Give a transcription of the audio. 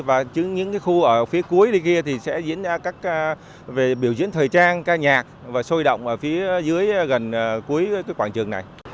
và những cái khu ở phía cuối đi kia thì sẽ diễn ra các biểu diễn thời trang ca nhạc và sôi động ở phía dưới gần cuối cái quán trường này